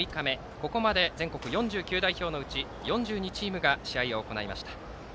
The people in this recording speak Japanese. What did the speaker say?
ここまで全国４９代表のうち４２チームが試合を行いました。